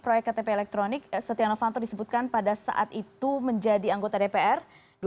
proyek ktp elektronik setia novanto disebutkan pada saat itu menjadi anggota dpr